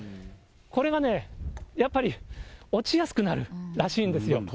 これがね、やっぱり落ちやすくなるらしいんですよ。